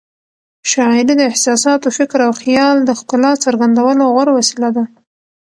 شاعري د احساساتو، فکر او خیال د ښکلا څرګندولو غوره وسیله ده.